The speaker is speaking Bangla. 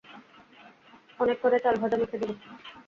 অনেক করে চালভাজা মেখে দেবো।